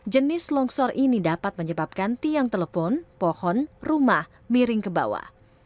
jenis longsor ini dapat menyebabkan tiang telepon pohon rumah miring ke bawah